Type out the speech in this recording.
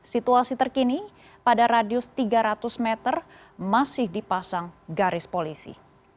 situasi terkini pada radius tiga ratus meter masih dipasang garis polisi